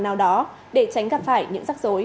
nào đó để tránh gặp phải những rắc rối